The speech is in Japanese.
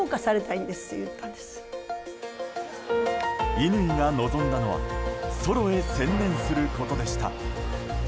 乾が望んだのはソロへ専念することでした。